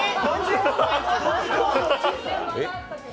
えっ？